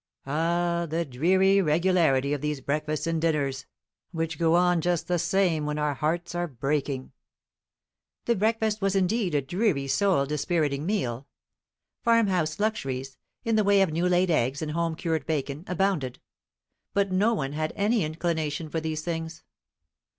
Ah, the dreary regularity of these breakfasts and dinners, which go on just the same when our hearts are breaking!" The breakfast was indeed a dreary soul dispiriting meal. Farmhouse luxuries, in the way of new laid eggs and home cured bacon, abounded; but no one had any inclination for these things.